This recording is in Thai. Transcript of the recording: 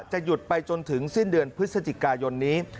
หยุดไปจนถึงสิ้นเดือนพฤศจิกายนนี้